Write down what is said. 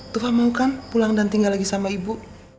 tuhan mau kan pulang dan tinggal lagi sama ibu